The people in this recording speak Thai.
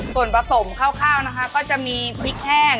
ส่วนผสมคร่าวนะคะก็จะมีพริกแห้ง